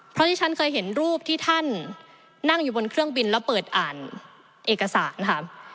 เพราะที่ฉันเคยเห็นรูปที่ท่านนั่งอยู่บนเครื่องบินแล้วเปิดอ่านเอกสารค่ะ